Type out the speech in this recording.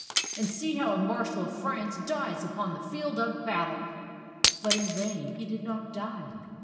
and see how a mar shal of France dies upon the field of battle!" But in vain; he did not die.